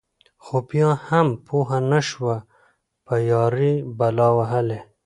خو بيا هم پوهه نشوه په يــارۍ بلا وهــلې.